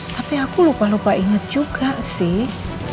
tapi aku lupa lupa ingat juga sih